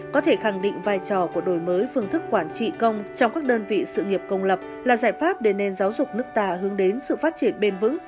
có thể khẳng định vai trò của đổi mới phương thức quản trị công trong các đơn vị sự nghiệp công lập là giải pháp để nền giáo dục nước ta hướng đến sự phát triển bền vững